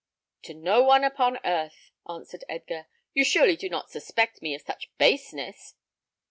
"To no one upon earth," answered Edgar. "You surely do not suspect me of such baseness?"